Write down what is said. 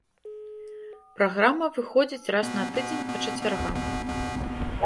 Праграма выходзіць раз на тыдзень па чацвяргам.